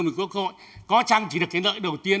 một quốc hội có chăng chỉ được cái lợi đầu tiên